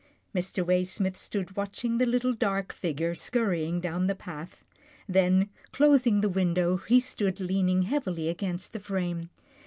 Mr. Waysmith stood watching the little dark figure scurrying down the path. Then, closing the window, he stood leaning heavily against the frame.